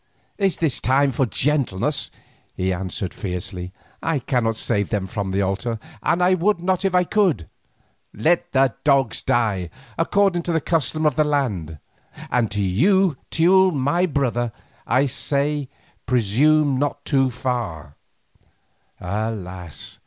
"Is this a time for gentleness?" he answered fiercely. "I cannot save them from the altar, and I would not if I could. Let the dogs die according to the custom of the land, and to you, Teule my brother, I say presume not too far." Alas!